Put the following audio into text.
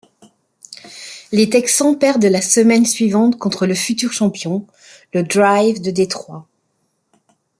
Les Texans perdent la semaine suivante contre le futur champion, le Drive de Détroit.